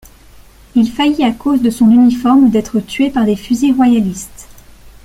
Il faillit à cause de son uniforme d'être tué par les fusils royalistes.